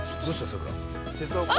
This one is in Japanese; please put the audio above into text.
さくら。